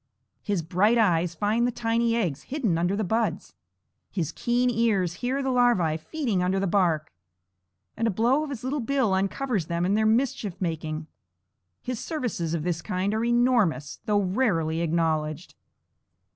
His bright eyes find the tiny eggs hidden under the buds; his keen ears hear the larvæ feeding under the bark, and a blow of his little bill uncovers them in their mischief making. His services of this kind are enormous, though rarely acknowledged.